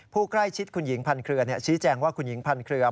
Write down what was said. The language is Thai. ผู้ใกล้ชิดคุณหญิงพันเครือชี้แจงว่าคุณหญิงพันเครือ